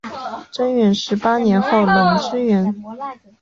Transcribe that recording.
贞元十八年后垄之原。